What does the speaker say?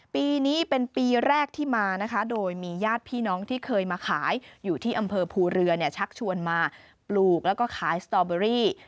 ปีนี้เป็นปีแรกที่มานะคะโดยมีญาติพี่น้องที่เคยมาขายอยู่ที่อำเภอภูเรือเนี่ยชักชวนมาปลูกแล้วก็ขายสตอเบอรี่